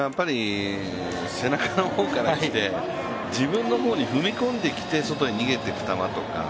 背中の方からきて自分の方に踏み込んできて外に逃げていく球とか。